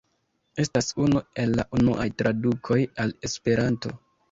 Estas unu el la unuaj tradukoj al Esperanto.